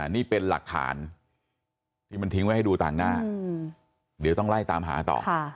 นี่เป็นหลักฐานที่มันทิ้งไว้ให้ดูต่างหน้าเดี๋ยวต้องไล่ตามหาต่อ